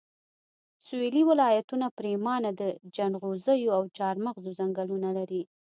سويلي ولایتونه پرېمانه د جنغوزیو او چارمغزو ځنګلونه لري